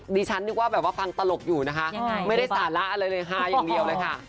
ดิฉันนึกว่าแบบว่าฟังตลกอยู่นะคะไม่ได้สาระอะไรเลยฮาอย่างเดียวเลยค่ะ